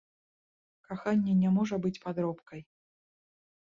Каханне не можа быць падробкай.